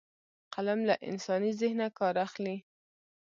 قلم له انساني ذهنه کار اخلي